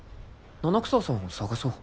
七草さんを捜そう